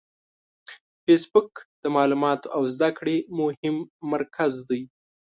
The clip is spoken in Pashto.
فېسبوک د معلوماتو او زده کړې مهم مرکز دی